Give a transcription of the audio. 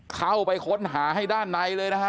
เข้าไปค้นหาให้ด้านในเลยนะฮะ